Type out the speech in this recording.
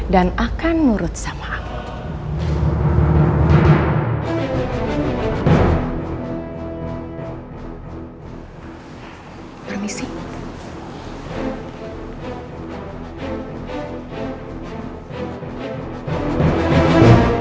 dan akan nurut sama aku